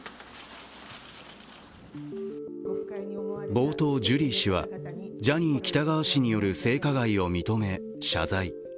冒頭、ジュリー氏はジャニー喜多川氏による性加害を認め、謝罪。